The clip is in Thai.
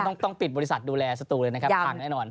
ต้องปิดบริษัทดูแลสตูเลยนะครับพังแน่นอน